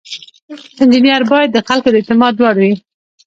انجینر باید د خلکو د اعتماد وړ وي.